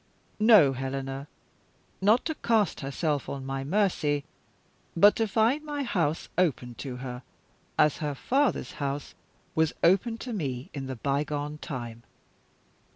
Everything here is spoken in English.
"No, Helena! Not to cast herself on my mercy but to find my house open to her, as her father's house was open to me in the bygone time.